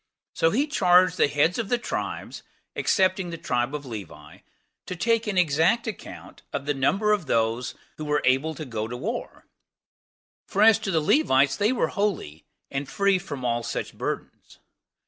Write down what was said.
So he charged the heads of the tribes, excepting the tribe of Levi, to take an exact account of the number of those that were able to go to war; for as to the Levites, they were holy, and free from all such burdens.